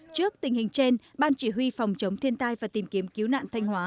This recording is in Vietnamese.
trước tình hình trên ban chỉ huy phòng chống thiên tai và tìm kiếm cứu nạn thanh hóa